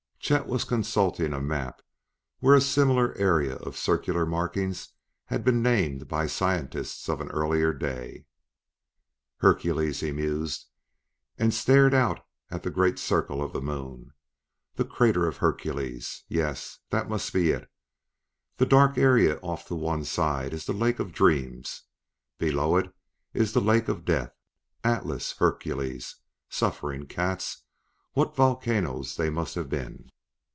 Chet was consulting a map where a similar area of circular markings had been named by scientists of an earlier day. "Hercules," he mused, and stared out at the great circle of the moon. "The crater of Hercules! Yes, that must be it. That dark area off to one side is the Lake of Dreams; below it is the Lake of Death. Atlas! Hercules! Suffering cats, what volcanoes they must have been!"